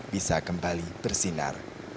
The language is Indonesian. bisa kembali bersinar